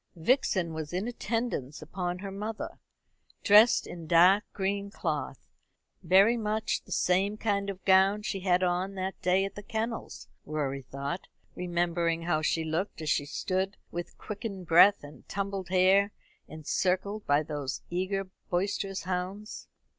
Vixen was in attendance upon her mother, dressed in dark green cloth. Very much the same kind of gown she had on that day at the kennels, Rorie thought, remembering how she looked as she stood with quickened breath and tumbled hair, encircled by those eager boisterous hounds.